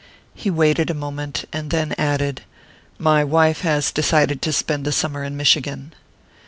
He waited a moment, and then added: "My wife has decided to spend the summer in Michigan."